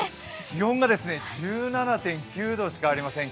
気温が１７．９度しかありません。